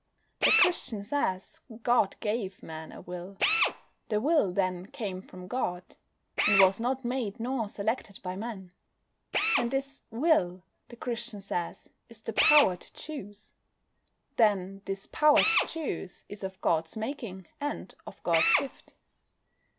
The Christian says God gave Man a will. The will, then, came from God, and was not made nor selected by Man. And this Will, the Christian says, is the "power to choose." Then, this "power to choose" is of God's making and of God's gift.